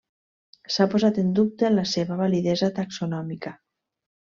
S'ha posat en dubte la seva validesa taxonòmica.